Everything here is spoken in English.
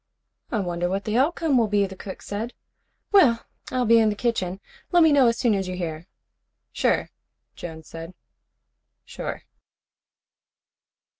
"I wonder what the outcome will be," the cook said. "Well, I'll be in the kitchen. Let me know as soon as you hear." "Sure," Jones said. "Sure."